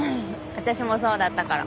私もそうだったから。